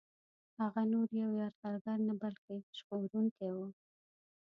هغه نور یو یرغلګر نه بلکه ژغورونکی وو.